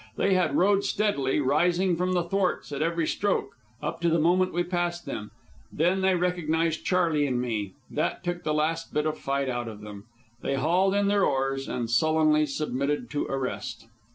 They had rowed steadily, rising from the thwarts at every stroke, up to the moment we passed them, when they recognized Charley and me. That took the last bit of fight out of them. They hauled in their oars and sullenly submitted to arrest.